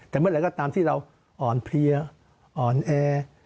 แต่เมื่อไหร่ก็ตามที่เราอ่อนเพลียอ่อนแอ